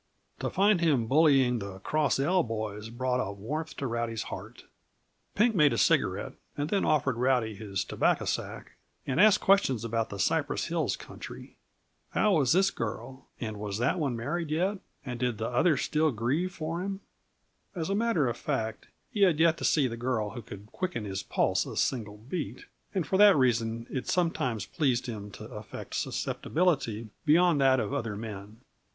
To find him bullying the Cross L boys brought a warmth to Rowdy's heart. Pink made a cigarette, and then offered Rowdy his tobacco sack, and asked questions about the Cypress Hills country. How was this girl? and was that one married yet? and did the other still grieve for him? As a matter of fact, he had yet to see the girl who could quicken his pulse a single beat, and for that reason it sometimes pleased him to affect susceptibility beyond that of other men.